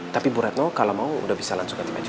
tapi bu retno kalau mau udah bisa langsung ganti baju